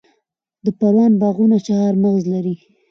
د پروان باغونه چهارمغز لري.